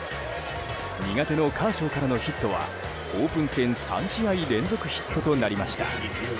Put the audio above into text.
苦手のカーショーからのヒットはオープン戦３試合連続ヒットとなりました。